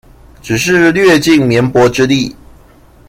只是略盡棉薄之力